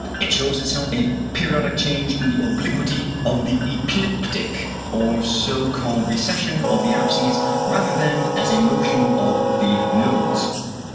It shows itself as a periodic change in the obliquity of the ecliptic, or so called recession of the apses, rather than as a motion of the nodes.